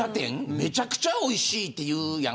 めちゃくちゃおいしいって言うやん。